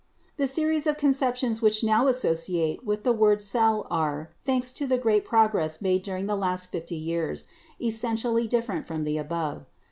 The series of conceptions which now associate with the word 'cell' are, thanks to the great progress made during the last fifty years, essentially different from the above.